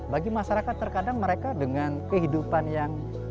bagi masyarakat terkadang mereka dengan kehidupan yang